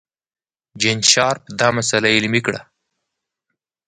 جین شارپ دا مسئله علمي کړه.